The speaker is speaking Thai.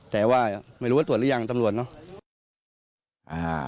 แต่ว่าไม่รู้ว่าตรวจหรือยังตำรวจเนอะ